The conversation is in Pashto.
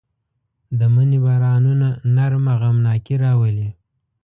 د مني بارانونه نرمه غمناکي راولي